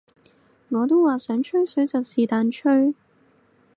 我都話想吹水就是但吹